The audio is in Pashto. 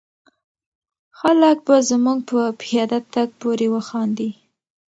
خلک به زموږ په پیاده تګ پورې وخاندي.